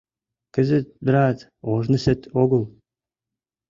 Кызыт, брат, ожнысет огыл.